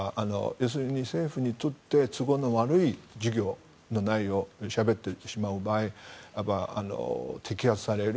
要するに政府にとって都合の悪い授業の内容をしゃべってしまう場合は摘発される。